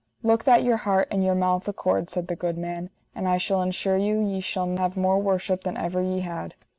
Look that your heart and your mouth accord, said the good man, and I shall ensure you ye shall have more worship than ever ye had.